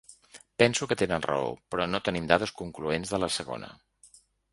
Penso que tenen raó, però no tenim dades concloents de la segona.